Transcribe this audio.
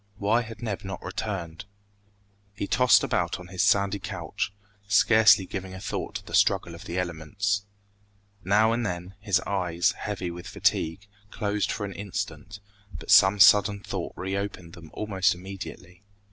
Why had Neb not returned? He tossed about on his sandy couch, scarcely giving a thought to the struggle of the elements. Now and then, his eyes, heavy with fatigue, closed for an instant, but some sudden thought reopened them almost immediately.